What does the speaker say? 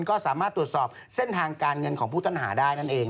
ก็สามารถตรวจสอบเส้นทางการเงินของผู้ต้องหาได้นั่นเอง